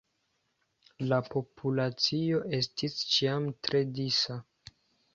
La populacio estis ĉiam tre disa.